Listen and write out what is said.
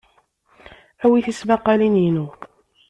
Awi tismaqalin-inu.